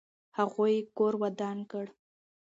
هغوی یې کور ودان کړ.